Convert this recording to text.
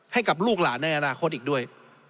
ให้กับลูกหลานในอนาคตอีกด้วย